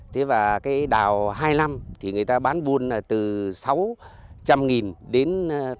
thế và cái đào hai năm thì người ta bán buôn là từ sáu trăm linh đến tám trăm linh